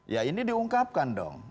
ya ini diungkapkan dong